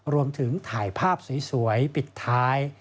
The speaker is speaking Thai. รวมถึงถ่ายภาพสวยปิดท้าย